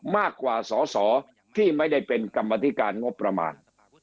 มากกว่าสอสอที่ไม่ได้เป็นกรรมธิการงบประมาณ